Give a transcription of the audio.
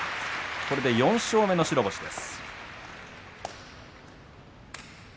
これで４勝目の白星です。